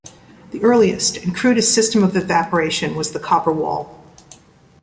The earliest and crudest system of evaporation was the copper wall.